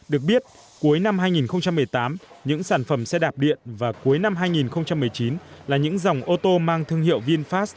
được biết cuối năm hai nghìn một mươi tám những sản phẩm xe đạp điện vào cuối năm hai nghìn một mươi chín là những dòng ô tô mang thương hiệu vinfast